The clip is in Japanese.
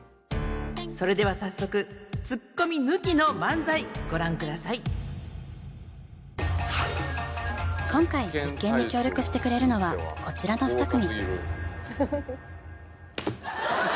それでは早速今回実験に協力してくれるのはこちらの２組。